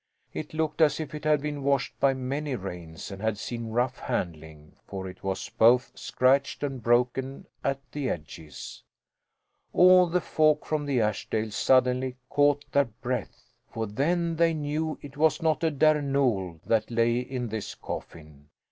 It looked as if it had been washed by many rains, and had seen rough handling, for it was both scratched and broken at the edges. All the folk from the Ashdales suddenly caught their breath. For then they knew it was not a Där Nol that lay in this coffin!